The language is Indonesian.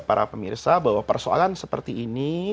para pemirsa bahwa persoalan seperti ini